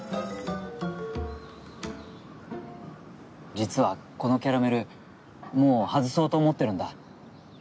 実はこのキャラメルもう外そうと思ってるんだ。